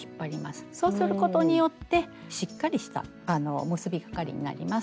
そうすることによってしっかりした結びかがりになります。